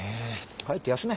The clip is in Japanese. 帰って休め。